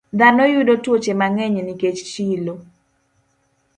Dhano yudo tuoche mang'eny nikech chilo.